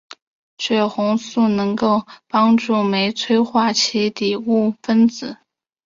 血红素能够帮助酶催化其底物分子。